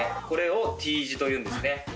これをＴ字というんですね